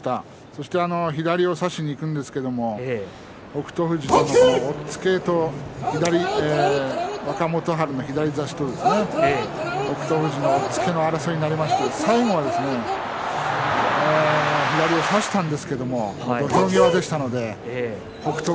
そして左を差すんですけれども北勝富士の押っつけと若元春の左差しと争いになりまして最後、左を差したんですけれど土俵際でしたので北勝